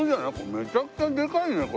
めちゃくちゃでかいね鳥が。